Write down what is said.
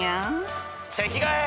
席替え。